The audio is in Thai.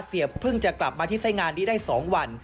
เสียเพิ่งจะกลับมาที่ใส่งานได้๒วัน